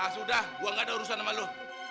ah sudah gue gak ada urusan sama lo